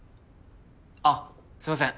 あっすいません